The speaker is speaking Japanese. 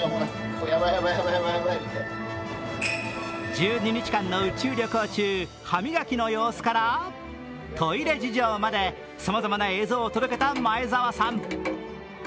１２日間の宇宙旅行中歯磨きの様子からトイレ事情まで、さまざまな映像を届けた前澤さん。